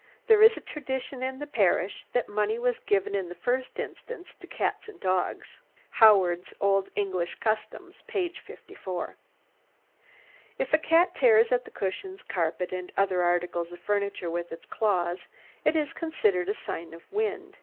There is a tradition in the parish that money was given in the first instance to cats and dogs.[G] [G] Edwards's "Old English Customs," p. 54. If a cat tears at the cushions, carpet, and other articles of furniture with its claws, it is considered a sign of wind.